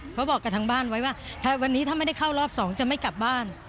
บอกกับทางบ้านไว้ว่าถ้าวันนี้ถ้าไม่ได้เข้ารอบสองจะไม่กลับบ้าน